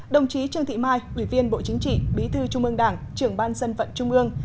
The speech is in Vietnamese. đồng chí trương thị mai ủy viên bộ chính trị bí thư trung ương đảng trưởng ban dân vận trung ương